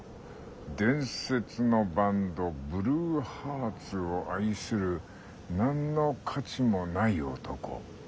「伝説のバンド、ブルーハーツを愛する何の価値もない男」。